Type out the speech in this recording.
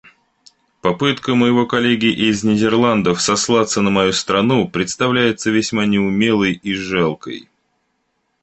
Попытка моего коллеги из Нидерландов сослаться на мою страну представляется весьма неумелой и жалкой.